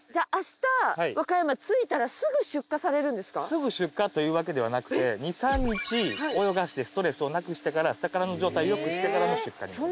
すぐ出荷というわけではなくて２３日泳がせてストレスをなくしてから魚の状態良くしてからの出荷になります。